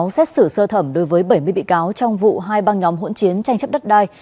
xét xử sơ thẩm đối với bảy mươi bị cáo trong vụ hai băng nhóm hỗn chiến tranh chấp đất đai